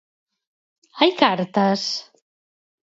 Hai cartas?